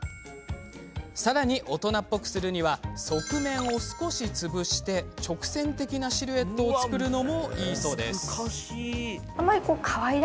さらに大人っぽくするには側面を少し潰して直線的なシルエットを作るのもいいそうです。